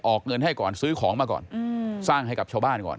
เงินให้ก่อนซื้อของมาก่อนสร้างให้กับชาวบ้านก่อน